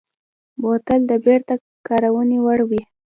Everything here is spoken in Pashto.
بوتل د بېرته کارونې وړ وي.